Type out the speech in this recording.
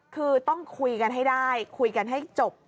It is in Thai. คือต้องคุยกันให้ได้คุยกันให้จบ